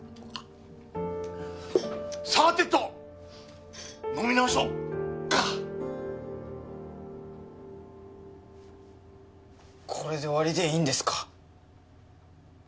さてと飲み直そっかこれで終わりでいいんですか？